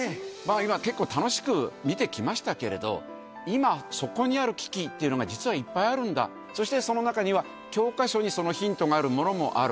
今、結構、楽しく見てきましたけれど、今そこにある危機というのが、実はいっぱいあるんだ、そしてその中には、教科書にそのヒントがあるものもある。